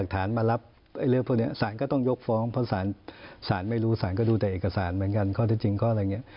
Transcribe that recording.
ต้องไม่รู้สารไม่รู้สารก็ดูแต่เอกสารเหมือนกันเข้าได้จริงข้อละอย่างเงี้ย